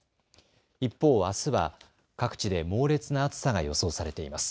一方、あすは各地で猛烈な暑さが予想されています。